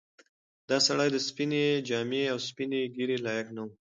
دا سړی د سپینې جامې او سپینې ږیرې لایق نه و.